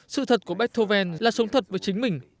sự thật của beckholen là sống thật với chính mình